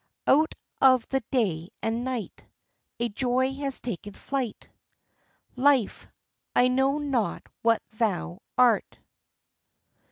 "Out of the day and night A joy has taken flight." "Life, I know not what thou art."